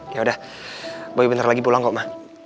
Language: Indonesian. ya udah boy bentar lagi pulang kok mah